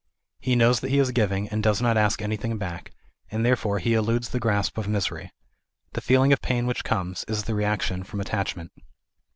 He knows that he is giving, and does not ask anything back, and therefore he eludes the grasp of misery The grasp of pain which comes, is the reaction from " attachment."